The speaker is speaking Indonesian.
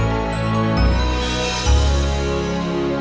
jangan lupa like